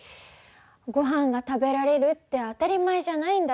ごはんが食べられるって当たり前じゃないんだね。